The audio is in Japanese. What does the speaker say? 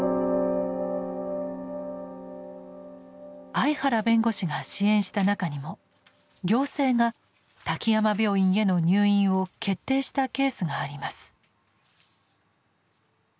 相原弁護士が支援した中にも行政が滝山病院への入院を決定したケースがあります。